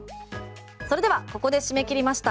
それではここで締め切りました。